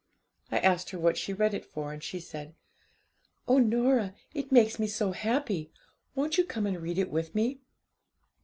I asked her what she read it for, and she said '"Oh, Norah, it makes me so happy! won't you come and read it with me?"